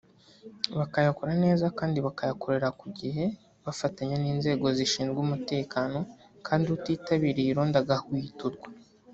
bakayakora neza kandi bakayakorera ku gihe bafatanya n’inzego zishinzwe umutekano kandi utitabiriye irondo agahwiturwa